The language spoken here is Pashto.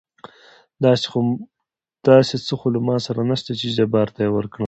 داسې څه خو له ما سره نشته چې جبار ته يې ورکړم.